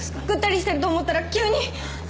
ぐったりしてると思ったら急に。